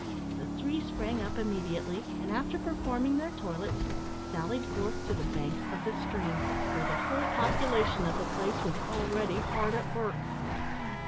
The three sprang up immediately, and, after performing their toilets, sallied forth to the banks of the stream, where the whole population of the place was already hard at work.